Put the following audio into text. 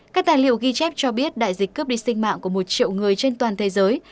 các tài liệu ghi chép cho biết đại dịch cướp đi sinh mạng của một triệu người trên toàn thế giới